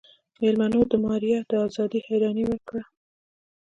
مېلمنو د ماريا د ازادۍ حيراني وکړه.